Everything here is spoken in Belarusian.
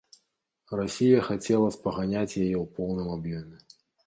Расія хацела спаганяць яе ў поўным аб'ёме.